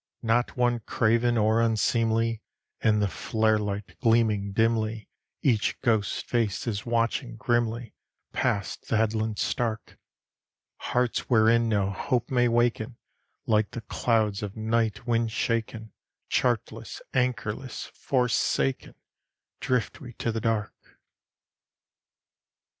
Not one craven or unseemly; In the flare light gleaming dimly, Each ghost face is watching grimly: Past the headlands stark! Hearts wherein no hope may waken, Like the clouds of night wind shaken, Chartless, anchorless, forsaken, Drift we to the dark.